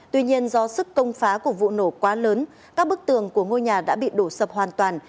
tuy nhiên do sức công phá của vụ nổ quá lớn các bức tường của ngôi nhà đã bị đổ sập hoàn toàn